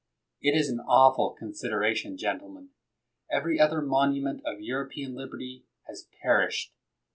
It is an awful consideration, gentlemen. Every other monument of European liberty has per ished.